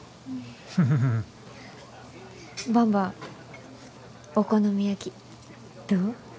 ばんばお好み焼きどう？